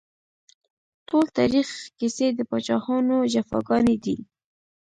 ټول تاريخ کيسې د پاچاهانو جفاګانې دي